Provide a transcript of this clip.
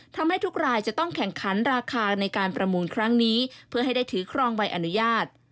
ทำให้ทุกรายจะต้องแข่งขันราคาในการประมูลครั้งนี้เพื่อให้ได้ถือครองใบอนุญาต